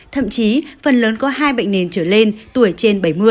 thậm chí phần lớn có hai bệnh nền trở lên tuổi trên bảy mươi